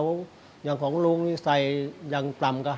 กล่าวค้านถึงกุ้ยเตี๋ยวลุกชิ้นหมูฝีมือลุงส่งมาจนถึงทุกวันนี้นั่นเองค่ะ